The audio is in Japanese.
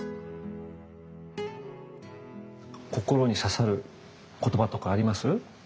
心に刺さる言葉とかあります？